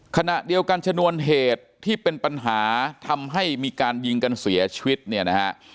ขณะเดียวกันชนวนเหตุที่เป็นปัญหาทำให้มีการยิงกันเสียชีวิตเนี่ยนะฮะ